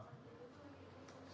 sempat menabrak anggota